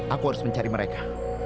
aku harus mencari mereka